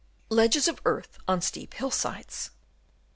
Ledges of earth on steep hillsides.